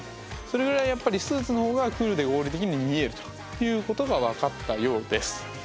それぐらいやっぱりスーツのほうがクールで合理的に見えるということが分かったようです。